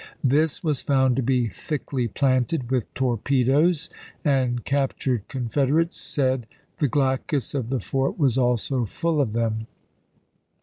This was found to be thickly planted with torpedoes, and captured Confederates said the glacis of the fort was also full of them.